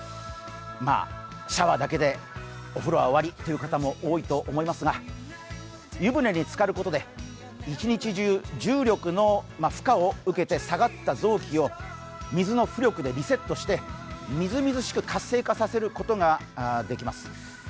シャワーだけでお風呂は終わりという方も多いと思いますが、湯船につかることで、一日中重力の負荷を受けて下がった臓器を水の浮力でリセットしてみずみずしく活性化させることができます。